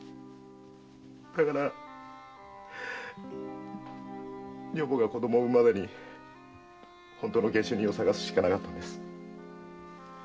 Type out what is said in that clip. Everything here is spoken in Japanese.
だから女房が子供を産むまでに本当の下手人を捜すしかなかったんです。